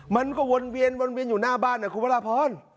มันก็วนเวียนวนเวียนอยู่หน้าบ้านนะคุณพระราพร